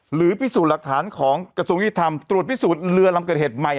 หรือพิสูจน์หลักฐานของกระทรวงยุติธรรมตรวจพิสูจน์เรือลำเกิดเหตุใหม่